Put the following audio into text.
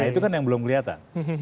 nah itu kan yang belum kelihatan